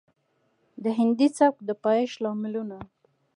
د هندي سبک د پايښت لاملونه